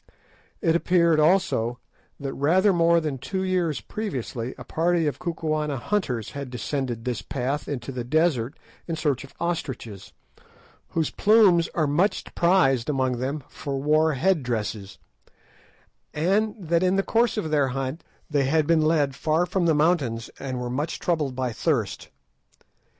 It appeared, also, that rather more than two years previously a party of Kukuana hunters had descended this path into the desert in search of ostriches, whose plumes are much prized among them for war head dresses, and that in the course of their hunt they had been led far from the mountains and were much troubled by thirst.